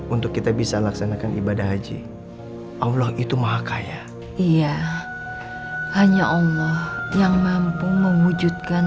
untuk kita bisa laksanakan ibadah haji allah itu maha kaya iya hanya allah yang mampu mewujudkan